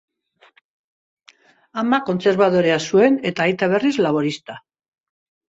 Ama kontserbadorea zuen eta aita, berriz, laborista.